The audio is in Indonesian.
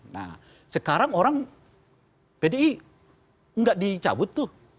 nah sekarang orang pdi nggak dicabut tuh